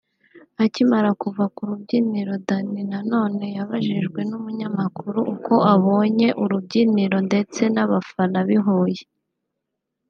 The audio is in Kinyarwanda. Akiva ku rubyiniro Danny Nanone yabajijwe n'umunyamakuru uko abonye urubyiniro ndetse n’abafana b’i Huye